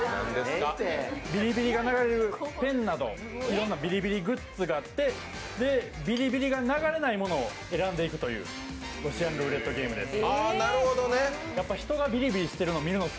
ビリビリが流れるペンなど、いろいろなビリビリグッズがあってビリビリが流れないものを選んでいくというロシアンルーレットゲームです。